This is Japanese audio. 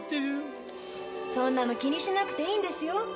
そんなの気にしなくていいんですよ。